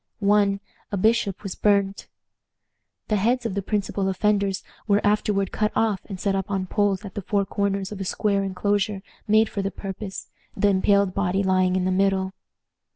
One, a bishop, was burnt. The heads of the principal offenders were afterward cut off and set up on poles at the four corners of a square inclosure made for the purpose, the impaled body lying in the middle.